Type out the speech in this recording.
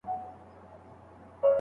لوستې نجونې د هڅو ارزښت ښيي.